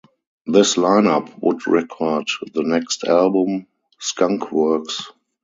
This line-up would record the next album, Skunkworks.